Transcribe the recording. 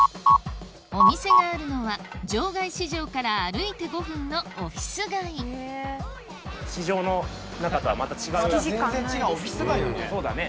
お店があるのは場外市場から歩いて５分のオフィス街全然違うオフィス街だね。